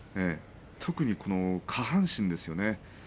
特に下半身ですよね。